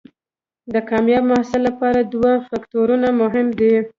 د کامیاب محصل لپاره دوه فکتورونه مهم دي.